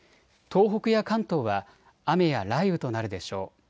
東北や関東は雨や雷雨となるでしょう。